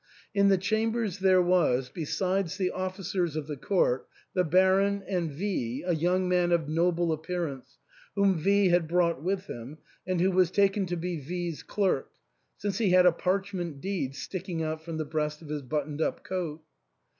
In the chambers there was, besides the offi cers of the court, the Baron, and V ^ a young man of noble appearance, whom V had brought with him, and who was taken to be V 's clerk, since he had a parchment deed sticking out from the breast of his buttoned up coat.